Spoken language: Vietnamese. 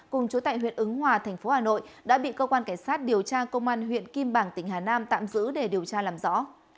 cùng chủ tại huyện ứng hòa tp hcm đã bị cơ quan cảnh sát điều tra công an huyện kim bảng tỉnh hà nam tạm giữ để điều tra làm rõ